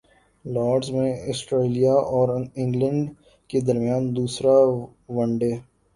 Lords میں Australia اور England کے درمیان دوسرا ون ڈے